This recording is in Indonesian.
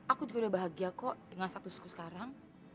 aku juga udah bahagia kok dengan statusku sekarang